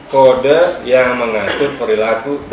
kode yang mengatur perilaku